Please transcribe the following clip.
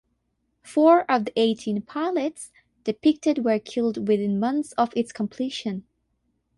Four of the eighteen pilots depicted were killed within months of its completion.